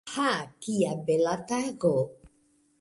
Ha, kia bela tago!